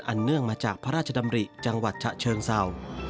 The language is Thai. เนื่องมาจากพระราชดำริจังหวัดฉะเชิงเศร้า